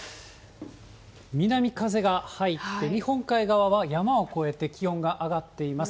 南風が入って、日本海側は山を越えて、気温が上がっています。